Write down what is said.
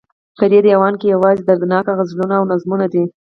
په دې ديوان کې يوازې دردناک غزلونه او نظمونه دي